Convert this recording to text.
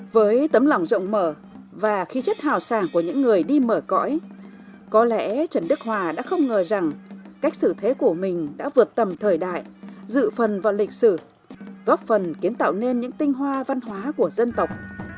với tấm lòng rộng mở và khí chất hào sản của những người đi mở cõi có lẽ trần đức hòa đã không ngờ rằng cách xử thế của mình đã vượt tầm thời đại dự phần vào lịch sử góp phần kiến tạo nên những tinh hoa văn hóa của dân tộc